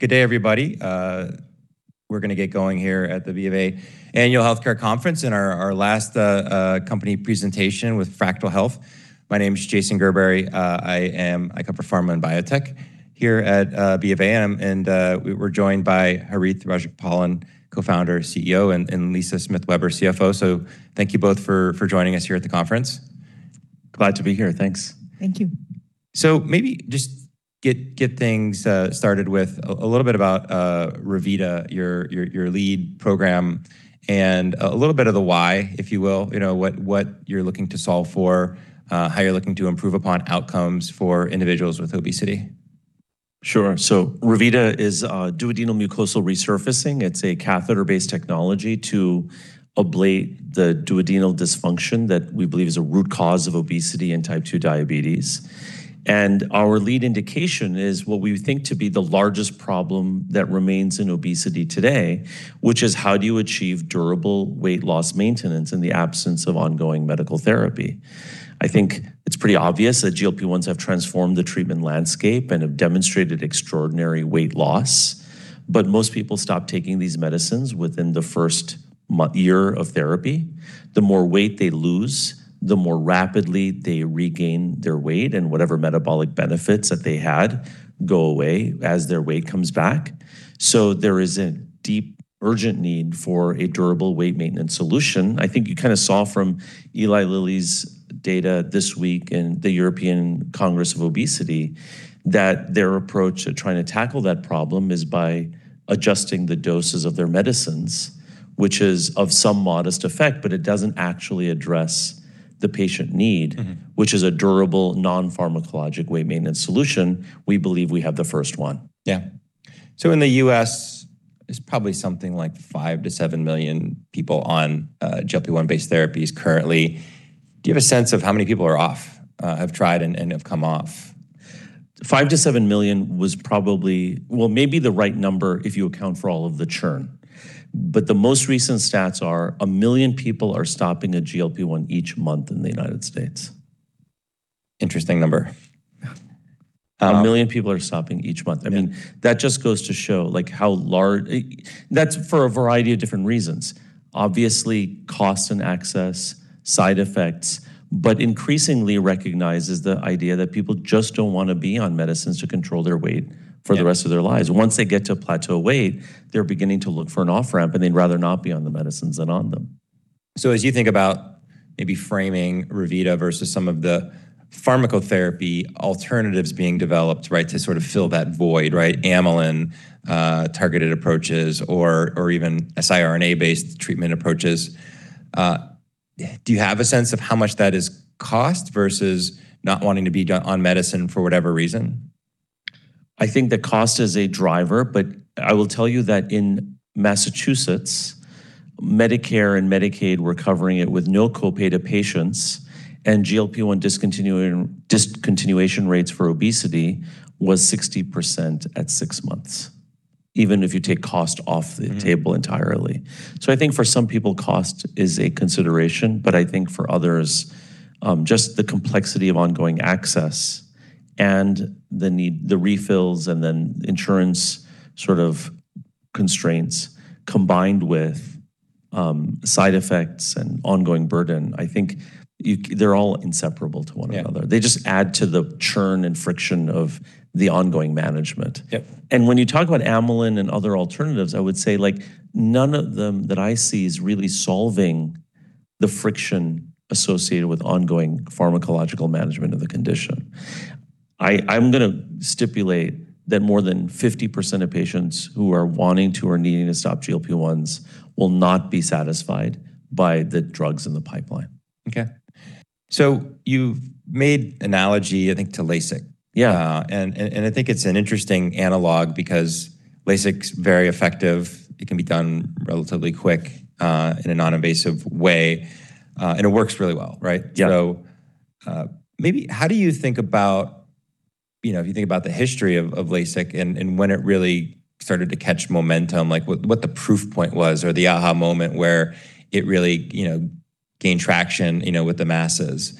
Good day, everybody. We're gonna get going here at the BofA Annual Healthcare Conference and our last company presentation with Fractyl Health. My name is Jason Gerberry. I cover pharma and biotech here at BofA, and we're joined by Harith Rajagopalan, Co-Founder, CEO, and Lara Smith Weber, CFO. Thank you both for joining us here at the conference. Glad to be here. Thanks. Thank you. Maybe just get things started with a little bit about Revita, your lead program, and a little bit of the why, if you will. You know, what you're looking to solve for, how you're looking to improve upon outcomes for individuals with obesity. Sure. Revita is a duodenal mucosal resurfacing. It's a catheter-based technology to ablate the duodenal dysfunction that we believe is a root cause of obesity and type 2 diabetes. Our lead indication is what we think to be the largest problem that remains in obesity today, which is how do you achieve durable weight loss maintenance in the absence of ongoing medical therapy? I think it's pretty obvious that GLP-1s have transformed the treatment landscape and have demonstrated extraordinary weight loss. Most people stop taking these medicines within the first year of therapy. The more weight they lose, the more rapidly they regain their weight, whatever metabolic benefits that they had go away as their weight comes back. There is a deep, urgent need for a durable weight maintenance solution. I think you kinda saw from Eli Lilly's data this week in the European Congress on Obesity that their approach at trying to tackle that problem is by adjusting the doses of their medicines, which is of some modest effect, but it doesn't actually address the patient need which is a durable non-pharmacologic weight maintenance solution. We believe we have the first one. Yeah. In the U.S., it's probably something like five to seven million people on GLP-1 based therapies currently. Do you have a sense of how many people are off, have tried and have come off? five to seven million was probably Well, maybe the right number if you account for all of the churn. The most recent stats are a million people are stopping a GLP-1 each month in the U.S. Interesting number. One million people are stopping each month. Yeah. I mean, that just goes to show, like, that's for a variety of different reasons. Obviously, cost and access, side effects, but increasingly recognizes the idea that people just don't wanna be on medicines to control their weight for the rest of their lives. Once they get to a plateau weight, they're beginning to look for an off-ramp, and they'd rather not be on the medicines than on them. As you think about maybe framing Revita versus some of the pharmacotherapy alternatives being developed, right, to sort of fill that void, right, amylin targeted approaches or even siRNA based treatment approaches, do you have a sense of how much that is cost versus not wanting to be on medicine for whatever reason? I think the cost is a driver, but I will tell you that in Massachusetts, Medicare and Medicaid were covering it with no co-pay to patients, and GLP-1 discontinuation rates for obesity was 60% at six months, even if you take cost off the table entirely. I think for some people, cost is a consideration, but I think for others, just the complexity of ongoing access and the need the refills and then insurance sort of constraints combined with side effects and ongoing burden, I think they're all inseparable to one another. Yeah. They just add to the churn and friction of the ongoing management. Yep. When you talk about amylin and other alternatives, I would say, like, none of them that I see is really solving the friction associated with ongoing pharmacological management of the condition. I'm gonna stipulate that more than 50% of patients who are wanting to or needing to stop GLP-1s will not be satisfied by the drugs in the pipeline. Okay. You've made analogy, I think, to LASIK. Yeah. I think it's an interesting analog because LASIK's very effective. It can be done relatively quick, in a non-invasive way, and it works really well, right? Yeah. Maybe how do you think about, you know, if you think about the history of LASIK and when it really started to catch momentum, like what the proof point was or the aha moment where it really, you know, gained traction, you know, with the masses.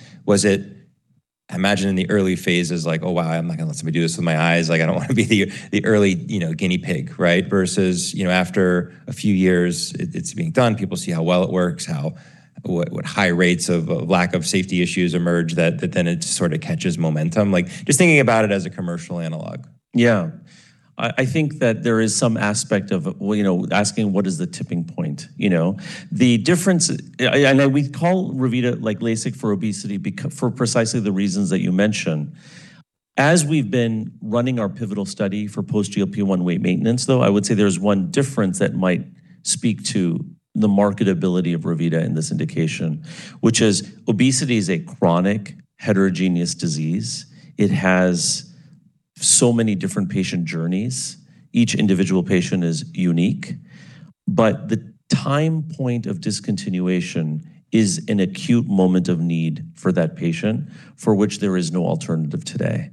I imagine in the early phases like, "Oh, wow, I'm not gonna let somebody do this with my eyes. Like, I don't wanna be the early, you know, guinea pig," right? Versus, you know, after a few years it's being done, people see how well it works, what high rates of lack of safety issues emerge that then it sort of catches momentum. Just thinking about it as a commercial analog. Yeah. I think that there is some aspect of, well, you know, asking what is the tipping point, you know? Yeah, we call Revita like LASIK for obesity for precisely the reasons that you mentioned. As we've been running our pivotal study for post GLP-1 weight maintenance, though, I would say there's one difference that might speak to the marketability of Revita in this indication, which is obesity is a chronic heterogeneous disease. It has so many different patient journeys. Each individual patient is unique, the time point of discontinuation is an acute moment of need for that patient, for which there is no alternative today.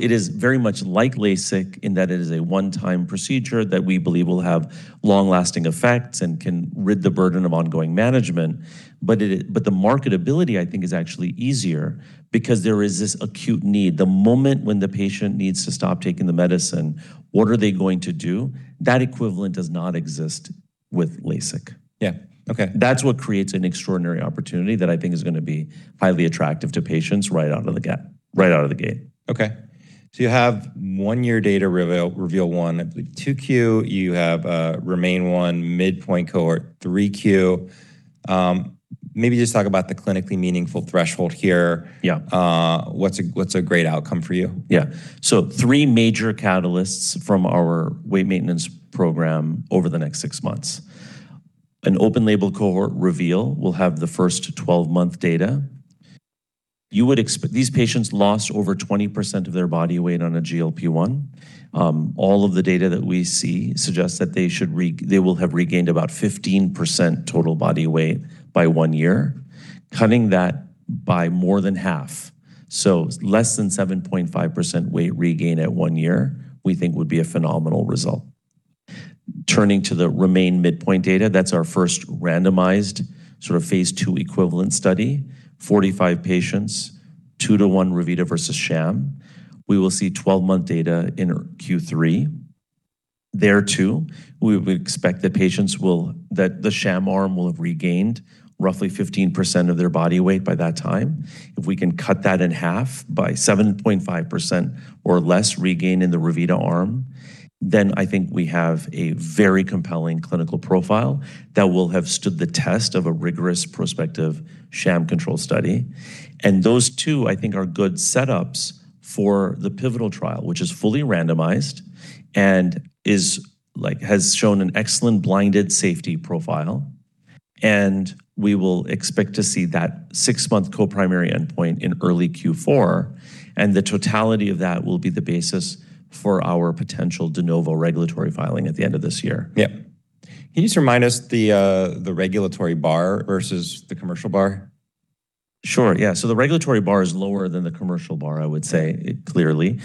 It is very much like LASIK in that it is a one-time procedure that we believe will have long-lasting effects and can rid the burden of ongoing management. The marketability, I think, is actually easier because there is this acute need. The moment when the patient needs to stop taking the medicine, what are they going to do? That equivalent does not exist with LASIK. Yeah. Okay. That's what creates an extraordinary opportunity that I think is gonna be highly attractive to patients right out of the gate. Okay. You have one-year data REVEAL-1, I believe 2Q. You have REMAIN-1 midpoint cohort 3Q. Maybe just talk about the clinically meaningful threshold here. Yeah. What's a great outcome for you? Three major catalysts from our weight maintenance program over the next six months. An open label cohort REVEAL-1 will have the first 12-month data. These patients lost over 20% of their body weight on a GLP-1. All of the data that we see suggests that they will have regained about 15% total body weight by one year, cutting that by more than half. Less than 7.5% weight regain at one year, we think would be a phenomenal result. Turning to the REMAIN-1 midpoint data, that's our 1st randomized sort of phase II equivalent study. 45 patients, two to one Revita versus sham. We will see 12-month data in our Q3. There too, we would expect that the sham arm will have regained roughly 15% of their body weight by that time. If we can cut that in half by 7.5% or less regain in the Revita arm, then I think we have a very compelling clinical profile that will have stood the test of a rigorous prospective sham control study. Those two, I think, are good setups for the pivotal trial, which is fully randomized and has shown an excellent blinded safety profile, and we will expect to see that six-month co-primary endpoint in early Q4, and the totality of that will be the basis for our potential de novo regulatory filing at the end of this year. Yeah. Can you just remind us the regulatory bar versus the commercial bar? Sure, yeah. The regulatory bar is lower than the commercial bar, I would say, clearly.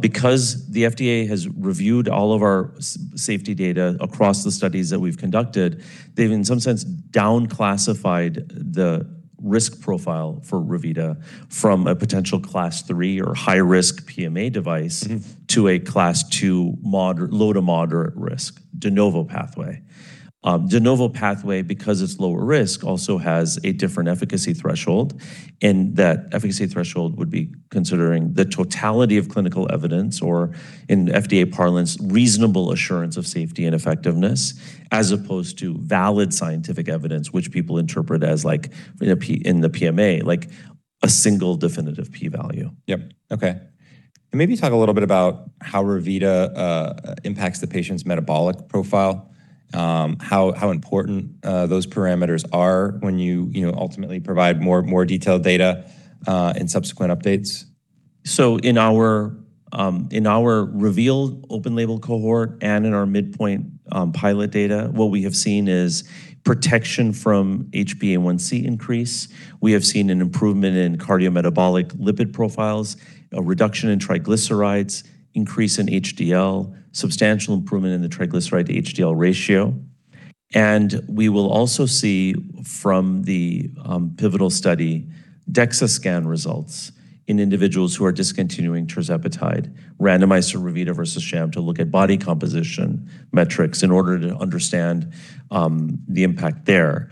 Because the FDA has reviewed all of our safety data across the studies that we've conducted, they've in some sense down classified the risk profile for Revita from a potential class III or high-risk PMA device to a class II low to moderate risk de novo pathway. de novo pathway, because it's lower risk, also has a different efficacy threshold, and that efficacy threshold would be considering the totality of clinical evidence, or in FDA parlance, reasonable assurance of safety and effectiveness, as opposed to valid scientific evidence, which people interpret as like in the PMA, like a single definitive P-value. Yep. Okay. Maybe talk a little bit about how Revita impacts the patient's metabolic profile, how important those parameters are when you know, ultimately provide more detailed data in subsequent updates. In our REVEAL-1 open label cohort and in our midpoint pilot data, what we have seen is protection from HbA1c increase. We have seen an improvement in cardiometabolic lipid profiles, a reduction in triglycerides, increase in HDL, substantial improvement in the triglyceride to HDL ratio. We will also see from the pivotal study DEXA scan results in individuals who are discontinuing tirzepatide randomized to Revita versus sham to look at body composition metrics in order to understand the impact there.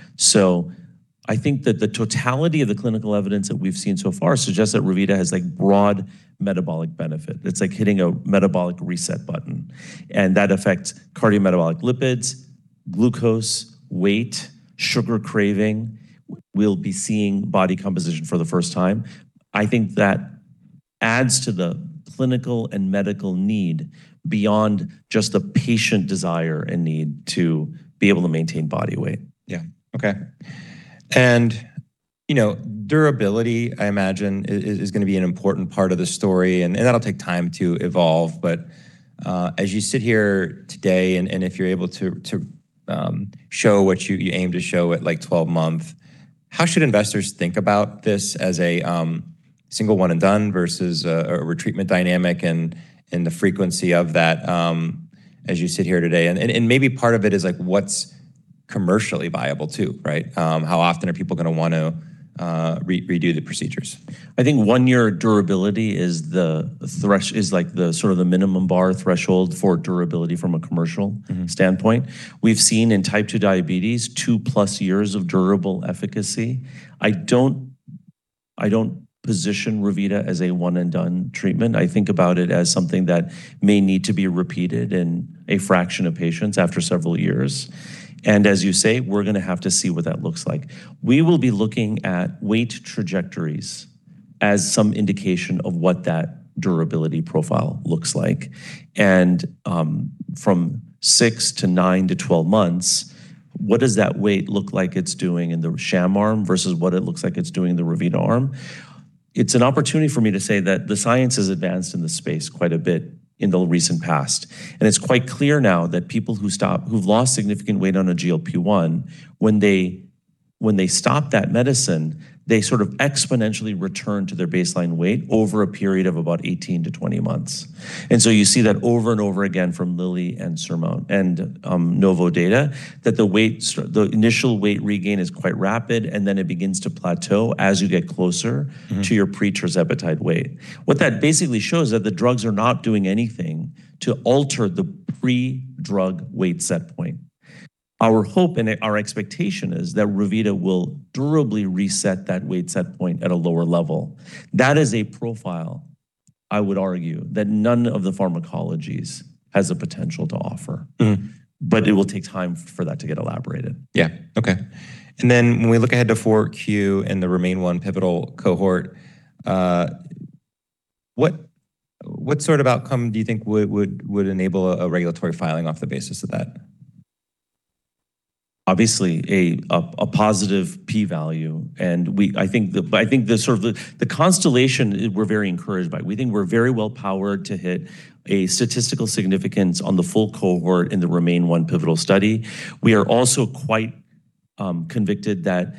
I think that the totality of the clinical evidence that we've seen so far suggests that Revita has like broad metabolic benefit. It's like hitting a metabolic reset button, and that affects cardiometabolic lipids, glucose, weight, sugar craving. We'll be seeing body composition for the first time. I think that adds to the clinical and medical need beyond just the patient desire and need to be able to maintain body weight. Yeah. Okay. You know, durability, I imagine is gonna be an important part of the story, that'll take time to evolve. As you sit here today and if you're able to show what you aim to show at like 12 month, how should investors think about this as a single one and done versus a retreatment dynamic and the frequency of that as you sit here today? Maybe part of it is like what's commercially viable too, right? How often are people gonna wanna redo the procedures? I think one year durability is like the sort of the minimum bar threshold for durability. standpoint. We've seen in type 2 diabetes two plus years of durable efficacy. I don't, I don't position Revita as a one and done treatment. I think about it as something that may need to be repeated in a fraction of patients after several years. As you say, we're gonna have to see what that looks like. We will be looking at weight trajectories as some indication of what that durability profile looks like. From six to nine to 12 months, what does that weight look like it's doing in the sham arm versus what it looks like it's doing in the Revita arm? It's an opportunity for me to say that the science has advanced in this space quite a bit in the recent past. It's quite clear now that people who've lost significant weight on a GLP-1, when they stop that medicine, they sort of exponentially return to their baseline weight over a period of about 18-20 months. You see that over and over again from Lilly and SURMOUNT and Novo data that the initial weight regain is quite rapid, and then it begins to plateau as you get closer to your pre-tirzepatide weight. What that basically shows that the drugs are not doing anything to alter the pre-drug weight set point. Our hope and our expectation is that Revita will durably reset that weight set point at a lower level. That is a profile I would argue that none of the pharmacologies has the potential to offer. It will take time for that to get elaborated. Yeah. Okay. Then when we look ahead to 4Q in the REMAIN-1 pivotal cohort, what sort of outcome do you think would enable a regulatory filing off the basis of that? Obviously a positive P value. We think the sort of the constellation we're very encouraged by. We think we're very well powered to hit a statistical significance on the full cohort in the REMAIN-1 pivotal study. We are also quite convicted that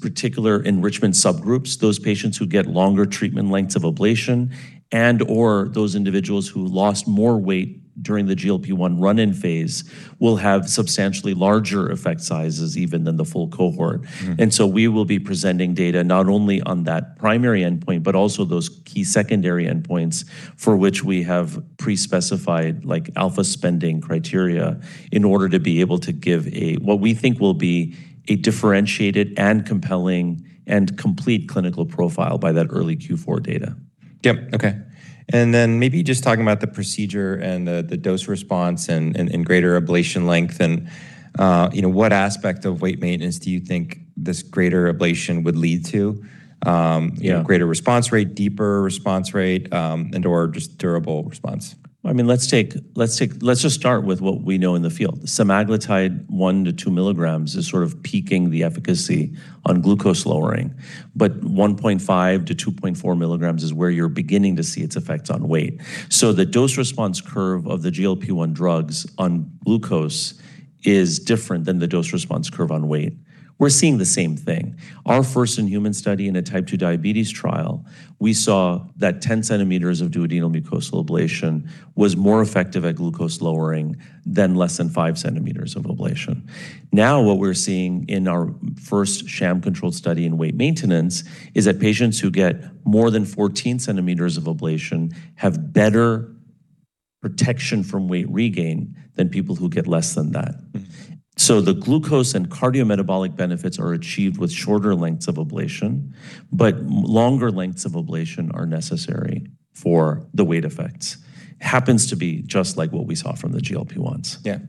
particular enrichment subgroups, those patients who get longer treatment lengths of ablation and, or those individuals who lost more weight during the GLP-1 run-in phase, will have substantially larger effect sizes even than the full cohort. We will be presenting data not only on that primary endpoint, but also those key secondary endpoints for which we have pre-specified like alpha spending criteria in order to be able to give a, what we think will be a differentiated and compelling and complete clinical profile by that early Q4 data. Okay. Then maybe just talking about the procedure and the dose response and greater ablation length and, you know, what aspect of weight maintenance do you think this greater ablation would lead to? Yeah. You know, greater response rate, deeper response rate, and or just durable response. I mean, let's just start with what we know in the field. Semaglutide 1 mg to 2 mg is sort of peaking the efficacy on glucose lowering, but 1.5 to 2.4 mg is where you're beginning to see its effects on weight. The dose response curve of the GLP-1 drugs on glucose is different than the dose response curve on weight. We're seeing the same thing. Our first in human study in a type 2 diabetes trial, we saw that 10 cm of duodenal mucosal ablation was more effective at glucose lowering than less than 5 cm of ablation. What we're seeing in our first sham controlled study in weight maintenance is that patients who get more than 14 cm of ablation have better protection from weight regain than people who get less than that. The glucose and cardiometabolic benefits are achieved with shorter lengths of ablation, but longer lengths of ablation are necessary for the weight effects. Happens to be just like what we saw from the GLP-1.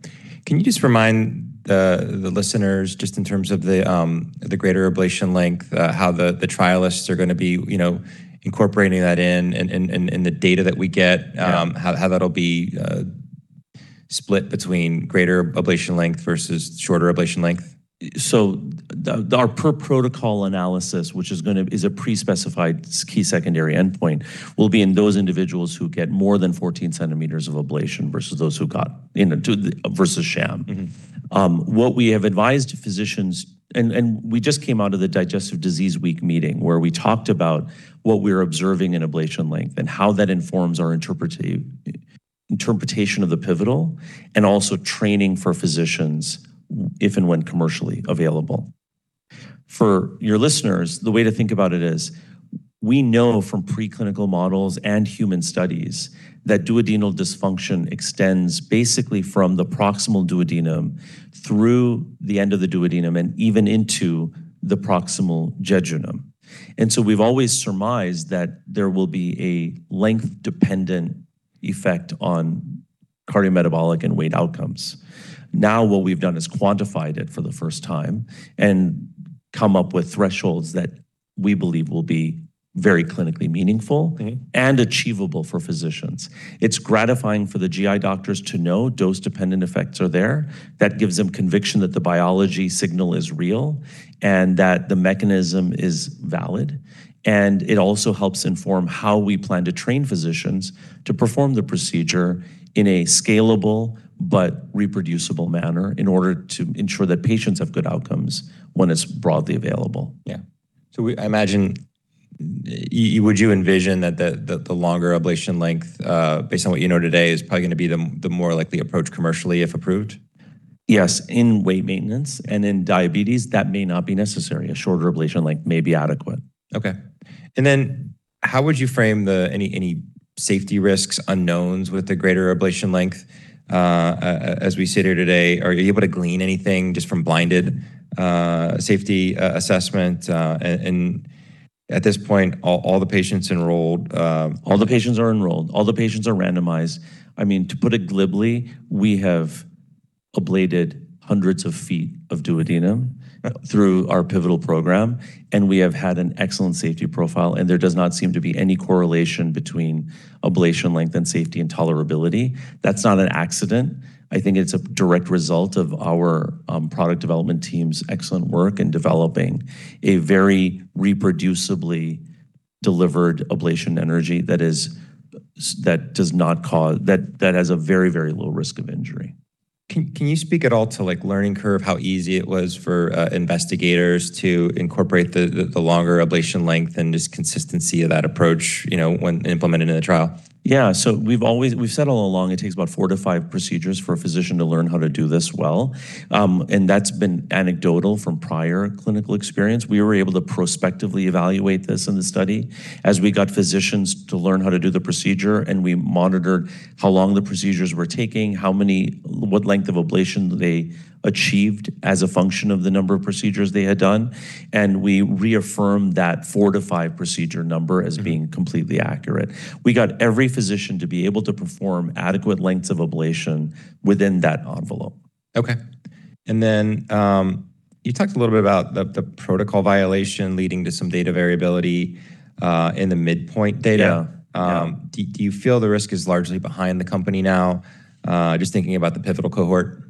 Can you just remind the listeners just in terms of the greater ablation length, how the trialists are gonna be, you know, incorporating that in and the data that we get. Yeah. How that'll be split between greater ablation length versus shorter ablation length? Our per-protocol analysis, which is a pre-specified key secondary endpoint, will be in those individuals who get more than 14 centimeters of ablation versus those who got, you know, versus sham. What we have advised physicians And we just came out of the Digestive Disease Week meeting where we talked about what we're observing in ablation length and how that informs our interpretation of the pivotal, and also training for physicians if and when commercially available. For your listeners, the way to think about it is we know from preclinical models and human studies that duodenal dysfunction extends basically from the proximal duodenum through the end of the duodenum and even into the proximal jejunum. We've always surmised that there will be a length dependent effect on cardiometabolic and weight outcomes. Now what we've done is quantified it for the first time and come up with thresholds that we believe will be very clinically meaningful. Achievable for physicians. It's gratifying for the GI doctors to know dose-dependent effects are there. That gives them conviction that the biology signal is real and that the mechanism is valid, and it also helps inform how we plan to train physicians to perform the procedure in a scalable but reproducible manner in order to ensure that patients have good outcomes when it's broadly available. Yeah. I imagine, would you envision that the longer ablation length, based on what you know today, is probably gonna be the more likely approach commercially if approved? Yes, in weight maintenance and in diabetes, that may not be necessary. A shorter ablation length may be adequate. Okay. How would you frame the any safety risks unknowns with the greater ablation length as we sit here today? Are you able to glean anything just from blinded safety assessment and at this point, all the patients enrolled? All the patients are enrolled. All the patients are randomized. I mean, to put it glibly, we have ablated hundreds of feet of duodenum. Right. Through our pivotal program, and we have had an excellent safety profile, and there does not seem to be any correlation between ablation length and safety and tolerability. That's not an accident. I think it's a direct result of our product development team's excellent work in developing a very reproducibly delivered ablation energy that has a very, very low risk of injury. Can you speak at all to like learning curve, how easy it was for investigators to incorporate the longer ablation length and just consistency of that approach, you know, when implemented in the trial? Yeah, we've always said all along it takes about four to five procedures for a physician to learn how to do this well. That's been anecdotal from prior clinical experience. We were able to prospectively evaluate this in the study as we got physicians to learn how to do the procedure, and we monitored how long the procedures were taking, what length of ablation they achieved as a function of the number of procedures they had done, and we reaffirmed that four to five procedure number as being completely accurate. We got every physician to be able to perform adequate lengths of ablation within that envelope. Okay. You talked a little bit about the protocol violation leading to some data variability in the midpoint data. Yeah, yeah. Do you feel the risk is largely behind the company now, just thinking about the pivotal cohort?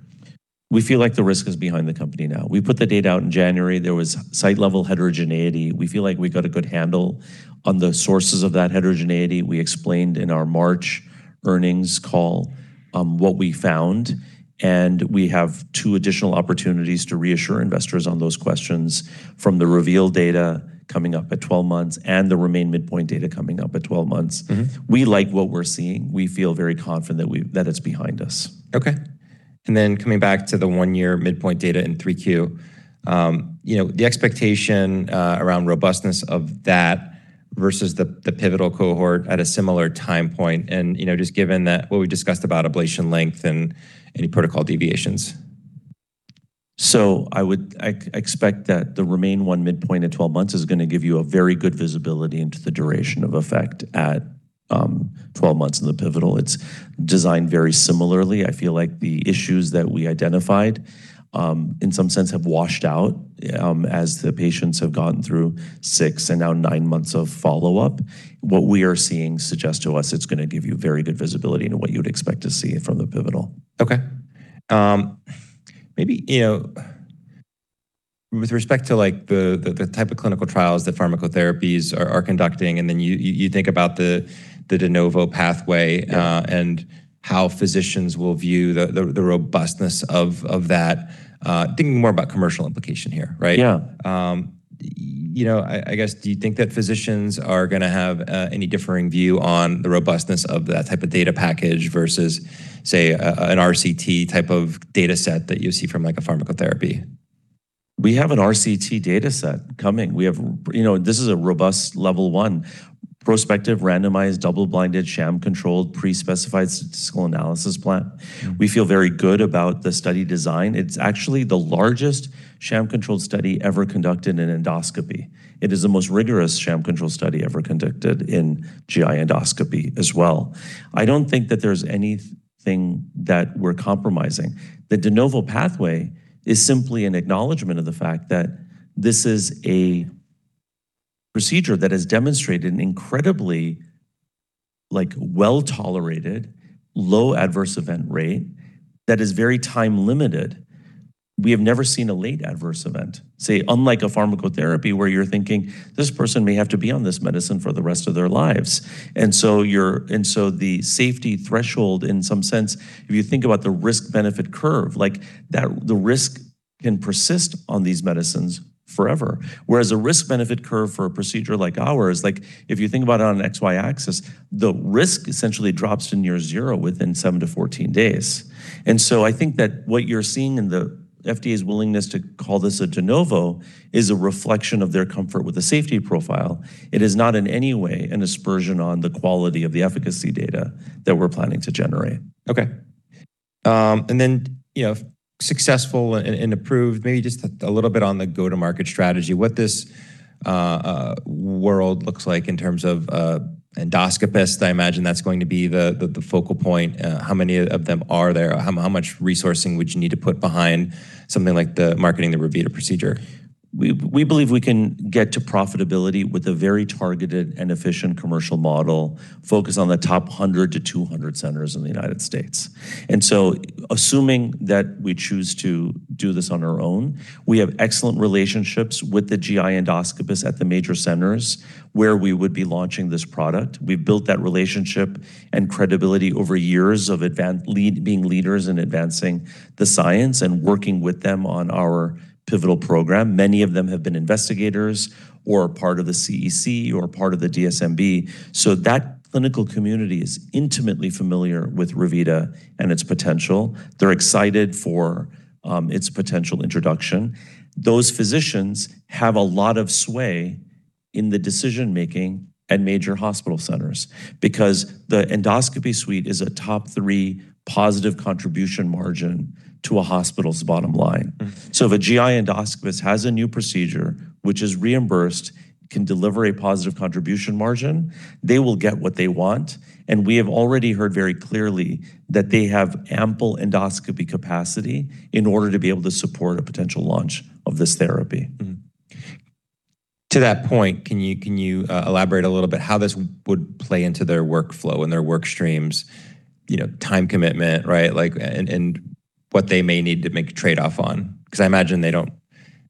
We feel like the risk is behind the company now. We put the data out in January. There was site-level heterogeneity. We feel like we got a good handle on the sources of that heterogeneity. We explained in our March earnings call, what we found. We have two additional opportunities to reassure investors on those questions from the REVEAL-1 data coming up at 12 months and the REMAIN-1 midpoint data coming up at 12 months. We like what we're seeing. We feel very confident that it's behind us. Okay. Coming back to the one-year midpoint data in 3Q, you know, the expectation, around robustness of that versus the pivotal cohort at a similar time point and, you know, just given that what we've discussed about ablation length and any protocol deviations? I would expect that the REMAIN-1 midpoint at 12 months is gonna give you a very good visibility into the duration of effect at 12 months in the pivotal. It's designed very similarly. I feel like the issues that we identified, in some sense, have washed out, as the patients have gone through six and now nine months of follow-up. What we are seeing suggests to us it's gonna give you very good visibility into what you'd expect to see from the pivotal. Okay. maybe, you know, with respect to, like, the type of clinical trials that pharmacotherapies are conducting, and then you think about the de novo pathway. How physicians will view the robustness of that, thinking more about commercial implication here, right? Yeah. You know, I guess, do you think that physicians are gonna have any differing view on the robustness of that type of data package versus, say, an RCT type of data set that you see from, like, a pharmacotherapy? We have an RCT data set coming. You know, this is a robust level one prospective randomized double-blinded sham controlled pre-specified statistical analysis plan. We feel very good about the study design. It's actually the largest sham controlled study ever conducted in endoscopy. It is the most rigorous sham controlled study ever conducted in GI endoscopy as well. I don't think that there's anything that we're compromising. The de novo pathway is simply an acknowledgment of the fact that this is a procedure that has demonstrated an incredibly, like, well-tolerated low adverse event rate that is very time limited. We have never seen a late adverse event, say, unlike a pharmacotherapy, where you're thinking, "This person may have to be on this medicine for the rest of their lives." The safety threshold, in some sense, if you think about the risk-benefit curve, like, that the risk can persist on these medicines forever. Whereas a risk-benefit curve for a procedure like ours, like if you think about it on an X, Y axis, the risk essentially drops to near zero within seven to 14 days. I think that what you're seeing in the FDA's willingness to call this a de novo is a reflection of their comfort with the safety profile. It is not in any way an aspersion on the quality of the efficacy data that we're planning to generate. Okay. You know, successful and approved, maybe just a little bit on the go-to-market strategy, what this world looks like in terms of endoscopists. I imagine that's going to be the focal point. How many of them are there? How much resourcing would you need to put behind something like the marketing the Revita procedure? We believe we can get to profitability with a very targeted and efficient commercial model focused on the top 100 to 200 centers in the U.S. Assuming that we choose to do this on our own, we have excellent relationships with the GI endoscopists at the major centers where we would be launching this product. We've built that relationship and credibility over years of being leaders in advancing the science and working with them on our pivotal program. Many of them have been investigators or part of the CEC or part of the DSMB. That clinical community is intimately familiar with Revita and its potential. They're excited for its potential introduction. Those physicians have a lot of sway in the decision-making at major hospital centers because the endoscopy suite is a top three positive contribution margin to a hospital's bottom line. If a GI endoscopist has a new procedure which is reimbursed, can deliver a positive contribution margin, they will get what they want, and we have already heard very clearly that they have ample endoscopy capacity in order to be able to support a potential launch of this therapy. To that point, can you elaborate a little bit how this would play into their workflow and their work streams, you know, time commitment, right? Like, and what they may need to make a trade-off on? 'Cause I imagine they don't,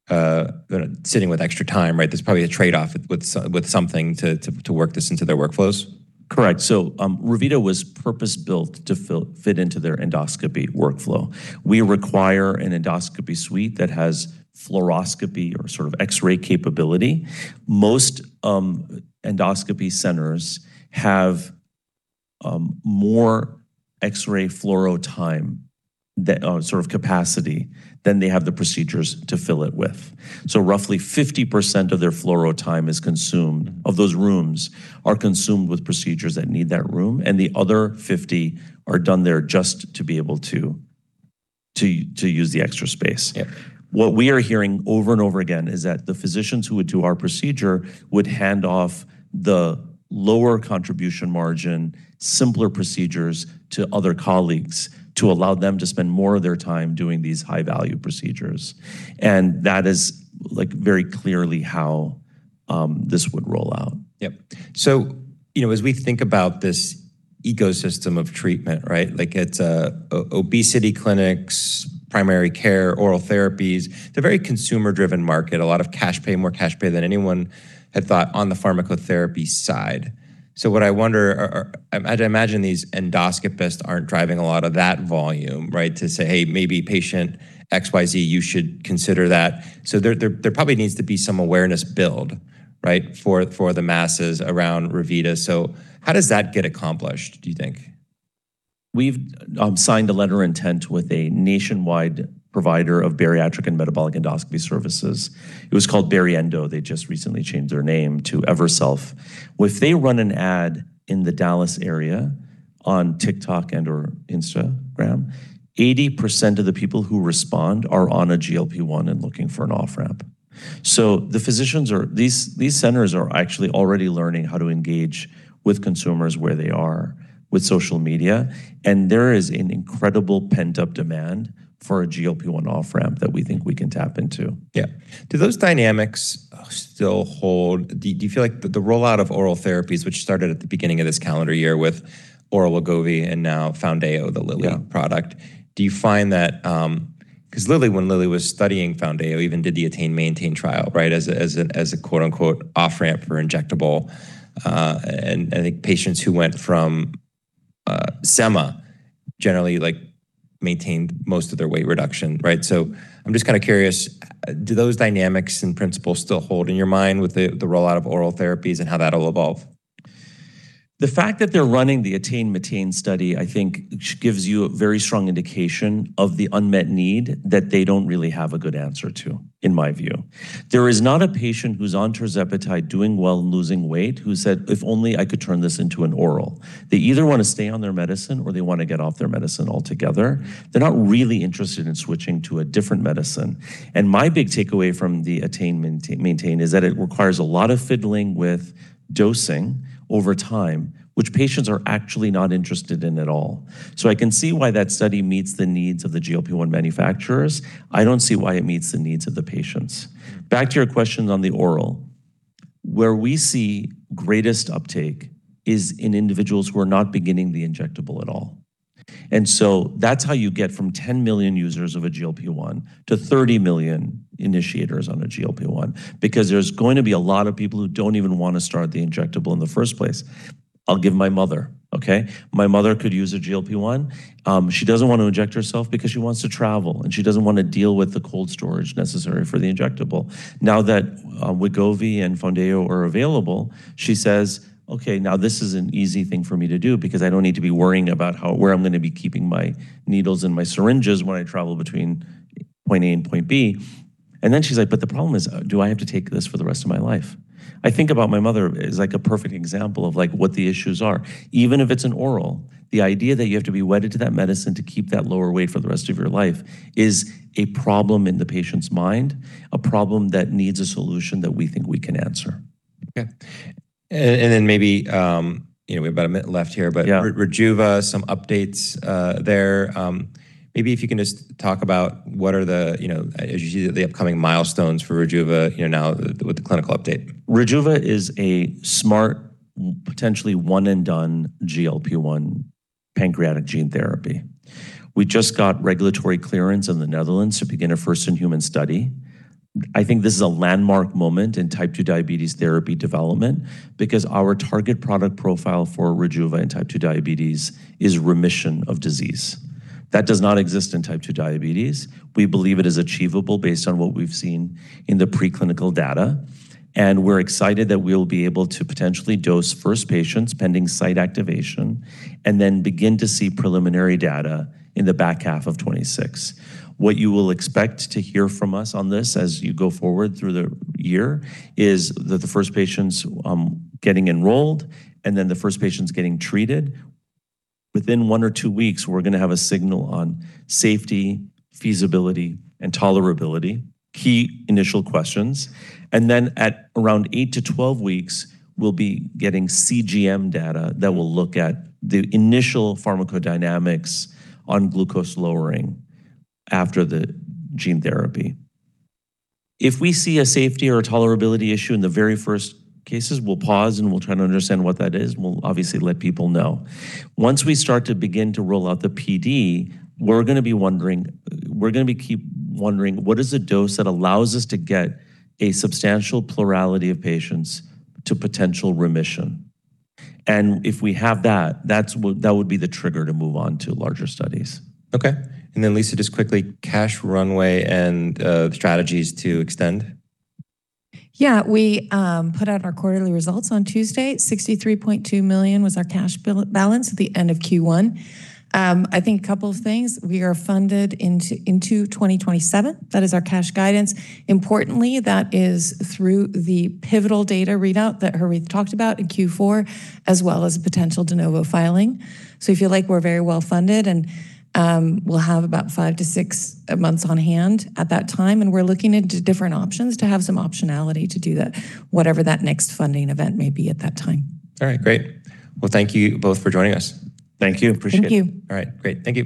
they're not sitting with extra time, right? There's probably a trade-off with something to work this into their workflows. Correct. Revita was purpose-built to fit into their endoscopy workflow. We require an endoscopy suite that has fluoroscopy or sort of X-ray capability. Most endoscopy centers have more X-ray fluoro time the sort of capacity than they have the procedures to fill it with. Roughly 50% of their fluoro time is consumed, of those rooms, are consumed with procedures that need that room, and the other 50 are done there just to be able to use the extra space. Yeah. What we are hearing over and over again is that the physicians who would do our procedure would hand off the lower contribution margin, simpler procedures to other colleagues to allow them to spend more of their time doing these high-value procedures. That is, like, very clearly how this would roll out. Yep. As we think about this ecosystem of treatment, you know, right? Like it's obesity clinics, primary care, oral therapies. It's a very consumer-driven market, a lot of cash pay, more cash pay than anyone had thought on the pharmacotherapy side. What I wonder are I'd imagine these endoscopists aren't driving a lot of that volume, right? To say, "Hey, maybe patient XYZ, you should consider that." There probably needs to be some awareness build, right, for the masses around Revita. How does that get accomplished, do you think? We've signed a letter of intent with a nationwide provider of bariatric and metabolic endoscopy services. It was called Bariendo. They just recently changed their name to Everself. If they run an ad in the Dallas area on TikTok and/or Instagram, 80% of the people who respond are on a GLP-1 and looking for an off-ramp. These centers are actually already learning how to engage with consumers where they are with social media, and there is an incredible pent-up demand for a GLP-1 off-ramp that we think we can tap into. Yeah. Do those dynamics still hold? Do you feel like the rollout of oral therapies, which started at the beginning of this calendar year with oral Wegovy and now Foundayo the Lilly product. Do you find that, 'Cause Lilly, when Lilly was studying Foundayo, even did the Attain Maintain trial, right? As a quote-unquote, "off-ramp for injectable." And the patients who went from, Sema generally, like, maintained most of their weight reduction, right? I'm just kinda curious, do those dynamics and principles still hold in your mind with the rollout of oral therapies and how that'll evolve? The fact that they're running the Attain Maintain study, I think gives you a very strong indication of the unmet need that they don't really have a good answer to, in my view. There is not a patient who's on tirzepatide doing well and losing weight who said, "If only I could turn this into an oral." They either wanna stay on their medicine, or they wanna get off their medicine altogether. They're not really interested in switching to a different medicine. My big takeaway from the Attain Maintain is that it requires a lot of fiddling with dosing over time, which patients are actually not interested in at all. I can see why that study meets the needs of the GLP-1 manufacturers. I don't see why it meets the needs of the patients. Back to your question on the oral. Where we see greatest uptake is in individuals who are not beginning the injectable at all. That's how you get from 10 million users of a GLP-1 to 30 million initiators on a GLP-1, because there's going to be a lot of people who don't even wanna start the injectable in the first place. I'll give my mother, okay? My mother could use a GLP-1. She doesn't want to inject herself because she wants to travel, and she doesn't wanna deal with the cold storage necessary for the injectable. Now that Wegovy and Foundayo are available, she says, "Okay, now this is an easy thing for me to do because I don't need to be worrying about where I'm gonna be keeping my needles and my syringes when I travel between point A and point B." Then she's like, "But the problem is, do I have to take this for the rest of my life?" I think about my mother as, like, a perfect example of, like, what the issues are. Even if it's an oral, the idea that you have to be wedded to that medicine to keep that lower weight for the rest of your life is a problem in the patient's mind, a problem that needs a solution that we think we can answer. Okay. Then maybe, you know, we have about a minute left here. Yeah. Rejuva, some updates there. Maybe if you can just talk about what are the, you know, as you see the upcoming milestones for Rejuva, you know, now with the clinical update? Rejuva is a smart, potentially one-and-done GLP-1 pancreatic gene therapy. We just got regulatory clearance in the Netherlands to begin a first-in-human study. I think this is a landmark moment in type 2 diabetes therapy development because our target product profile for Rejuva in type 2 diabetes is remission of disease. That does not exist in type 2 diabetes. We believe it is achievable based on what we've seen in the preclinical data, and we're excited that we'll be able to potentially dose first patients pending site activation and then begin to see preliminary data in the back half of 2026. What you will expect to hear from us on this as you go forward through the year is that the first patients getting enrolled and then the first patients getting treated. Within one or two weeks, we're gonna have a signal on safety, feasibility, and tolerability, key initial questions. At around eight to 12 weeks, we'll be getting CGM data that will look at the initial pharmacodynamics on glucose lowering after the gene therapy. If we see a safety or tolerability issue in the very first cases, we'll pause, and we'll try to understand what that is, and we'll obviously let people know. Once we start to begin to roll out the PD, we're gonna keep wondering, what is the dose that allows us to get a substantial plurality of patients to potential remission? If we have that would be the trigger to move on to larger studies. Okay. Then Lara, just quickly, cash runway and strategies to extend. We put out our quarterly results on Tuesday. $63.2 million was our cash balance at the end of Q1. I think a couple of things. We are funded into 2027. That is our cash guidance. Importantly, that is through the pivotal data readout that Harith Rajagopalan talked about in Q4, as well as a potential de novo filing. I feel like we're very well funded, and we'll have about five to six months on hand at that time, and we're looking into different options to have some optionality to do that, whatever that next funding event may be at that time. All right. Great. Thank you both for joining us. Thank you. Appreciate it. Thank you. All right. Great. Thank you.